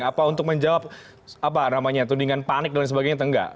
apa untuk menjawab apa namanya tudingan panik dan sebagainya atau enggak